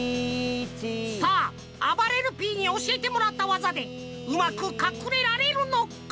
さああばれるＰにおしえてもらったワザでうまくかくれられるのか？